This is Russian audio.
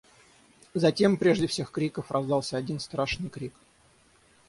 Затем, прежде всех криков, раздался один страшный крик.